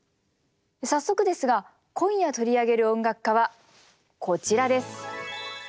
早速ですが今夜取り上げる音楽家はこちらです。